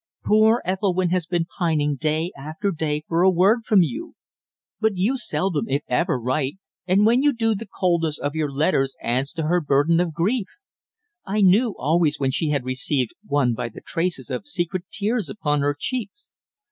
"Poor Ethelwynn has been pining day after day for a word from you; but you seldom, if ever, write, and when you do the coldness of your letters adds to her burden of grief. I knew always when she had received one by the traces of secret tears upon her cheeks.